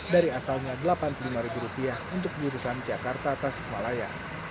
dari asalnya delapan puluh lima ribu rupiah untuk jurusan jakarta tasikmalaya